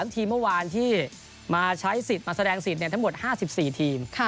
ทีมเมื่อวานที่มาใช้สิทธิ์มาแสดงสิทธิ์ทั้งหมด๕๔ทีม